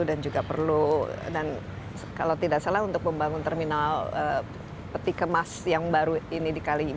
dan juga perlu dan kalau tidak salah untuk pembangun terminal peti kemas yang baru ini dikali kali